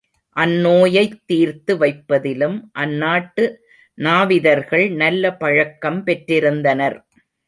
அந்நோயைத் தீர்த்து வைப்பதிலும் அந்நாட்டு நாவிதர்கள் நல்ல பழக்கம் பெற்றிருந்தனர்.